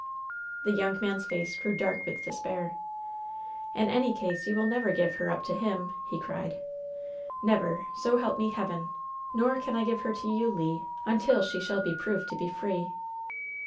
The young man's face grew dark with despair. "In any case you will never give her up to him !" he cried. "Never, so help me Heaven 1 Nor can I give her to you, Le, until she shall be proved to be free."